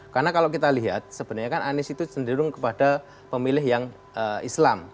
karena kalau kita lihat sebenarnya anies itu cenderung kepada pemilih yang islam